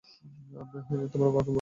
তোমার বাবাকে বলো।